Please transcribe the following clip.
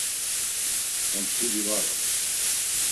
Ham mtsudi var on.